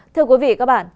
thưa quý vị các bạn